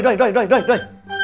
ini organizasi ketamaran